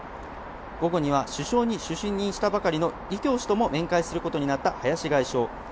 午後には首相に就任したばかりの李強氏とも面会することになった林外相。